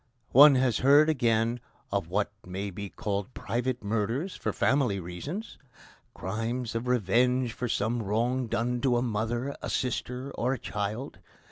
One has heard, again, of what may be called private murders for family reasons crimes of revenge for some wrong done to a mother, a sister, or a child.